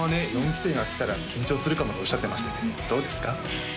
４期生が来たら緊張するかもっておっしゃってましたけどどうですか？